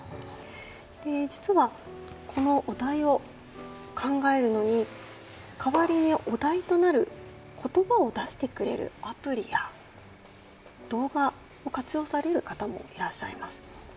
実は、このお題を考えるのに代わりにお題となる言葉を出してくれるアプリや動画を活用される方もいらっしゃいます。